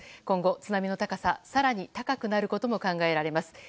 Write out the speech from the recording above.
今後、津波の高さが更に高くなることが考えられます。